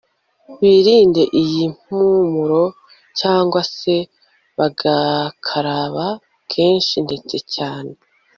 birinde iyi mpumuro cyangwa se bagakaraba kenshi ndetse cyane